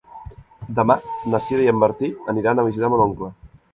Demà na Sira i en Martí aniran a visitar mon oncle.